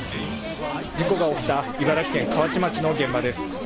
事故が起きた茨城県河内町の現場です。